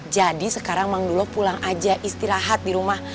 jadi sekarang mangdulo pulang aja istirahat di rumah